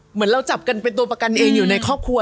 เหมือนเราจับกันเป็นตัวประกันเองอยู่ในครอบครัว